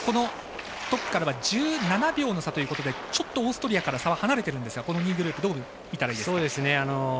トップからは１７秒の差ということでちょっとオーストリアから差が離れているんですが２位グループ、どう見ますか。